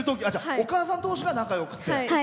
お母さん同士が仲よくて。